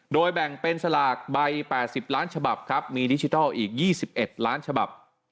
โดยแบ่งเป็นสลากใบ๘๐ล้านฉบับครับมีดิจิทัลอีก๒๑ล้านฉบับ